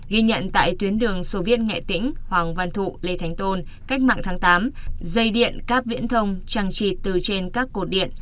ghi nhận tại tuyến đường soviet nghệ tĩnh hoàng văn thụ lê thánh tôn cách mạng tháng tám dây điện các viễn thông chẳng chịt từ trên các cột điện